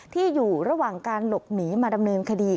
ที่อยู่ระหว่างการหลบหนีมาดำเนินคดี